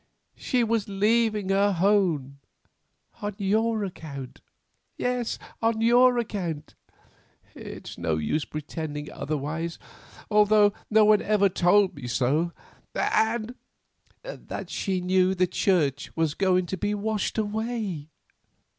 She was leaving her home, on your account—yes, on your account, it's no use pretending otherwise, although no one ever told me so—and—that she knew the church was going to be washed away."